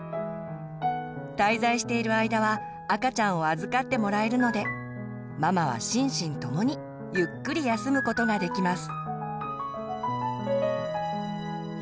滞在している間は赤ちゃんを預かってもらえるのでママは心身ともにゆっくり休むことができます。